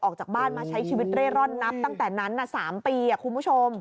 ออกจากบ้านมาใช้ชีวิตเร่ร่อนนับตั้งแต่นั้น๓ปีคุณผู้ชม